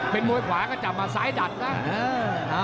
เป็นมวยขวาก็จับมาซ้ายดัดนะ